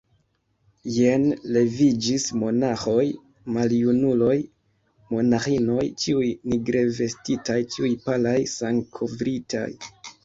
Jen leviĝis monaĥoj, maljunuloj, monaĥinoj, ĉiuj nigrevestitaj, ĉiuj palaj, sangkovritaj.